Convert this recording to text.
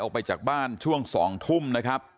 ไปจากบ้านช่วง๒ทุ่มนะครับ